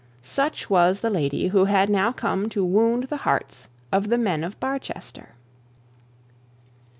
Such was the lady who had now come to wound the hearts of the men of Barchester.